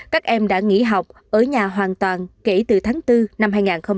các em đã nghỉ học ở nhà hoàn toàn kể từ tháng bốn năm hai nghìn hai mươi